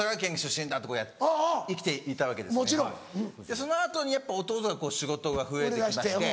その後に弟が仕事が増えて来まして。